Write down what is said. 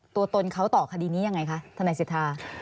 ตัวตนเขาต่อคดีนี้ยังไงคะทนายสิทธา